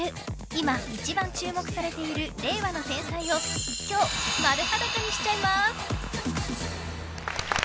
今一番注目されている令和の天才を今日、丸裸にしちゃいます。